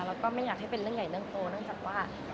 เราก็ไม่อยากให้เป็นเรื่องใหญ่ตัวหนึ่งจากว่า